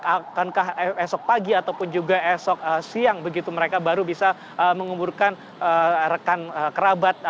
akankah esok pagi ataupun juga esok siang begitu mereka baru bisa menguburkan rekan kerabat